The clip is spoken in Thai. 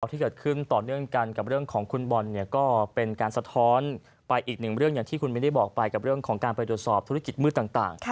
ที่เกิดขึ้นต่อเนื่องกันกับเรื่องของคุณบอลเนี่ยก็เป็นการสะท้อนไปอีกหนึ่งเรื่องอย่างที่คุณมินได้บอกไปกับเรื่องของการไปตรวจสอบธุรกิจมืดต่าง